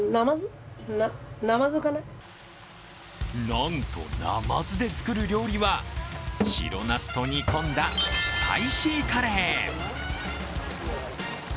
なんと、ナマズで作る料理は、白ナスと煮込んだスパイシーカレー。